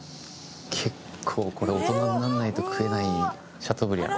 結構これ大人にならないと食えないシャトーブリアン。